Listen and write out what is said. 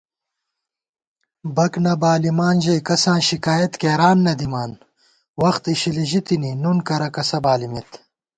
بک نہ بالِمان ژَئی کساں شِکایَت کېران نہ دِمان * وخت اِشِلی ژِتِنی نُن کرہ کسہ بالِمېت